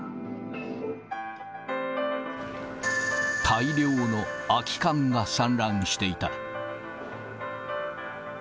大量の空き缶が散乱していた。